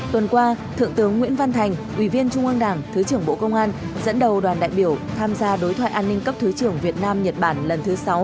tuần qua thượng tướng nguyễn văn thành ủy viên trung an đảng thứ trưởng bộ công an dẫn đầu đoàn đại biểu tham gia đối thoại an ninh cấp thứ trưởng việt nam nhật bản lần thứ sáu